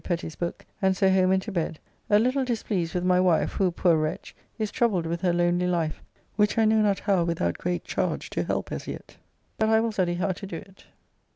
Petty's book, and so home and to bed, a little displeased with my wife, who, poor wretch, is troubled with her lonely life, which I know not how without great charge to help as yet, but I will study how to do it.